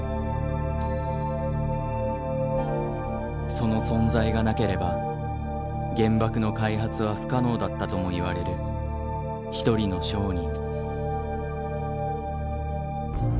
その存在がなければ原爆の開発は不可能だったともいわれる一人の商人。